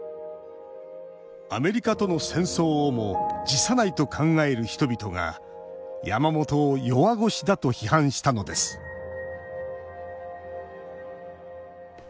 アメリカとの戦争をも辞さないと考える人々が山本を弱腰だと批判したのです万歳！